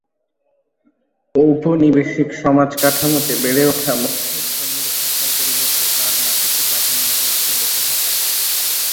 ঔপনিবেশিক সমাজকাঠামোতে বেড়ে-ওঠা মধ্যশ্রেণীর ভাষার পরিবর্তে তাঁর নাটকে প্রাধান্য পেয়েছে লোকভাষা।